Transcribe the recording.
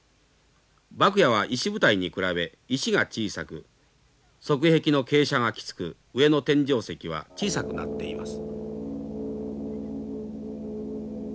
牧野は石舞台に比べ石が小さく側壁の傾斜がきつく上の天井石は小さくなっています。